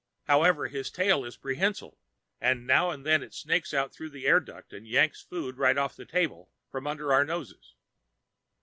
However, his tail is prehensile, and now and then it snakes out through an air duct and yanks food right off the table from under our noses.